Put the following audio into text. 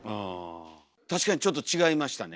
確かにちょっと違いましたね。